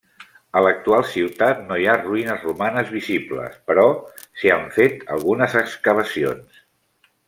A l'actual ciutat no hi ha ruïnes romanes visibles, però s'hi han fet algunes excavacions.